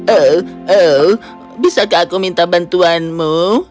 el el bisakah aku minta bantuanmu